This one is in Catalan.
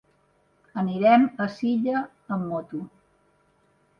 Anirem a Silla amb moto.